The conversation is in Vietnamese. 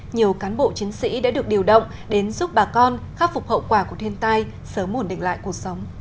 nhiều cán bộ chiến sĩ đã được điều động đến giúp bà con khắc phục hậu quả của thiên tai sớm ổn định lại cuộc sống